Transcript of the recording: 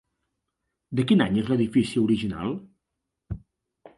De quin any és l'edifici original?